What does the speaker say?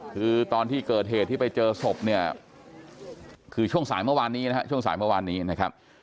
คือตอนที่เกิดเหตุที่ไปเจอศพเนี่ยคือช่วงสายเมื่อวานนี้นะฮะช่วงสายเมื่อวานนี้นะครับ